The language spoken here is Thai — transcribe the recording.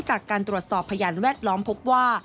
จากการตรวจสอบพยานแวดล้อมพบว่า